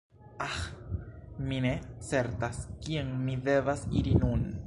Aĥ! Mi ne certas kien mi devas iri nun.